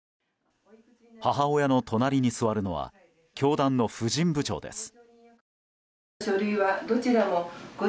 母親の隣に座るのは教団の婦人部長です。